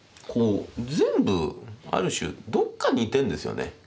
全部ある種どっか似てんですよね。